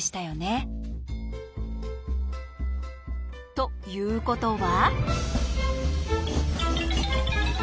ということは。